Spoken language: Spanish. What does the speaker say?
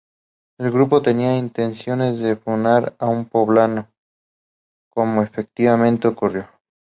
El grupo tenía intenciones de fundar un poblado, como efectivamente ocurrió.